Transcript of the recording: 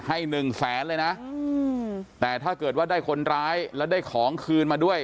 หนึ่งแสนเลยนะแต่ถ้าเกิดว่าได้คนร้ายแล้วได้ของคืนมาด้วย